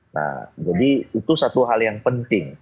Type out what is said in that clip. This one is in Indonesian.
nah jadi itu satu hal yang penting